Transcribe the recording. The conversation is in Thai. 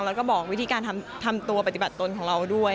แล้วก็บอกวิธีการทำตัวปฏิบัติตนของเราด้วย